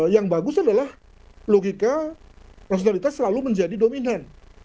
yang bagus adalah logika rasionalitas selalu menjadi dominan